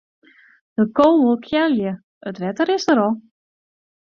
De ko wol kealje, it wetter is der al.